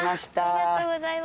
ありがとうございます。